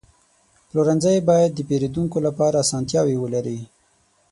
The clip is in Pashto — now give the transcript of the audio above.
پلورنځی باید د پیرودونکو لپاره اسانتیاوې ولري.